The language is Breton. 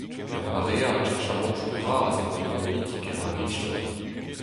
Ur maread cheñchamantoù bras eo an neolitik er ragistor.